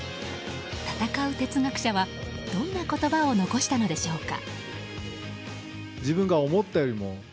闘う哲学者はどんな言葉を残したのでしょうか。